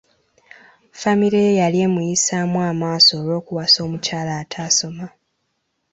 Famire ye yali emuyisaamu amaaso olw'okuwasa omukyala ataasoma.